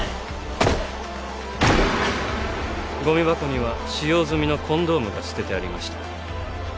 ごみ箱には使用済みのコンドームが捨ててありました。